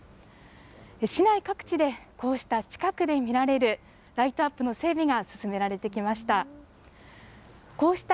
市内各地でこうした近くで見られるライトアップの整備が進められてきました。